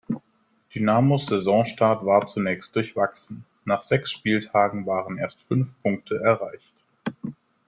Dynamos Saisonstart war zunächst durchwachsen, nach sechs Spieltagen waren erst fünf Punkte erreicht.